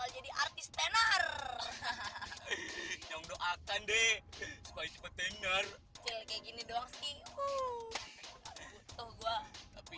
jadi artis tenor yang doakan deh supaya cepet tenor kayak gini dong sih butuh gue tapi